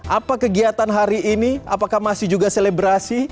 apa kegiatan hari ini apakah masih juga selebrasi